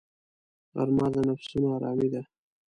غرمه د نفسونو آرامي ده